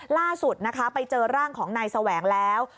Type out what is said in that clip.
ล่าสุดนะคะไปเจอร่างของนายแสวงแล้ว